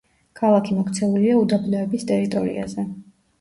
ქალაქი მოქცეულია უდაბნოების ტერიტორიაზე.